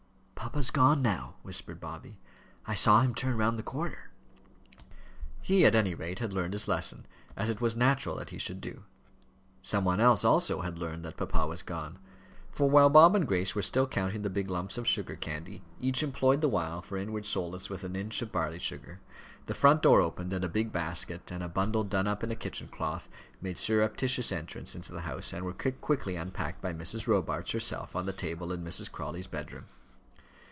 "Papa's gone now," whispered Bobby; "I saw him turn round the corner." He, at any rate, had learned his lesson as it was natural that he should do. Some one else, also, had learned that papa was gone; for while Bob and Grace were still counting the big lumps of sugar candy, each employed the while for inward solace with an inch of barley sugar, the front door opened, and a big basket, and a bundle done up in a kitchen cloth, made surreptitious entrance into the house, and were quickly unpacked by Mrs. Robarts herself on the table in Mrs. Crawley's bedroom.